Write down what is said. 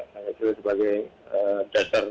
pancasila sebagai jester